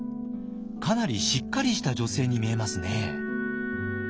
かなりしっかりした女性に見えますね。